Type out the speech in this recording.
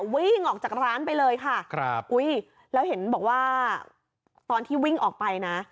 วิ่งออกจากร้านไปเลยค่ะครับอุ้ยแล้วเห็นบอกว่าตอนที่วิ่งออกไปนะ